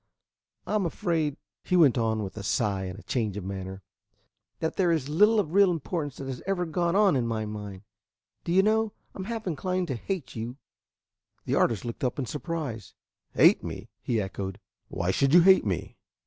I am afraid," he went on, with a sigh and a change of manner, "that there is little of real importance has ever gone on in my mind. Do you know, I am half inclined to hate you." The artist looked up in surprise. "Hate me?" he echoed. "Why should you hate me?"